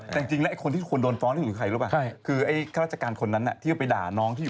แต่จริงแหละไอพวกคุณโดนฟ้องนี่ใครเรียกว่าไง